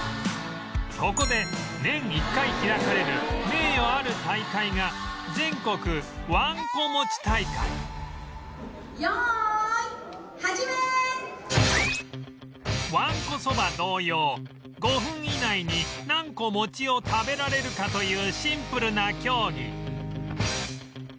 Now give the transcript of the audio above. ここで年１回開かれる名誉ある大会がわんこそば同様５分以内に何個餅を食べられるかというシンプルな競技